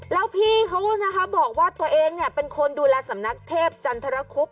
แล้วพี่เขาบอกว่าตัวเองเป็นคนดูแลสำนักเทพจันทรคุบ